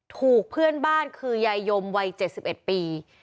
ถูกเพื่อนบ้านคือยายยมวัย๗๑ปี